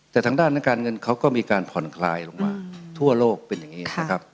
แต่ทางด้านนักการเงินเขาก็มีการผ่อนคลายลงมาทั่วโลกเป็นอย่างนี้นะครับ